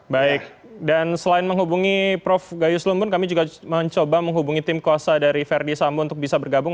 baik dan selain menghubungi prof gayus lumbun kami juga mencoba menghubungi tim kuasa dari verdi sambo untuk bisa bergabung